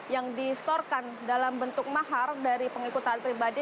yang distorkan dalam bentuk mahar dari pengikut taat pribadi